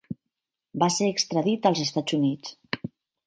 Va ser extradit als Estats Units.